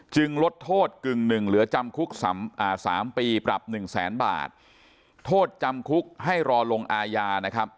จึงลดโทษกึ่งหนึ่งเหลือจำคุก๓ปีปรับ๑๐๐๐๐๐บาทโทษจำคุกให้รอลงอายา